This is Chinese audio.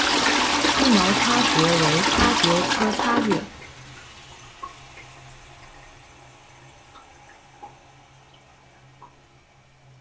思茅叉蕨为叉蕨科叉蕨属下的一个种。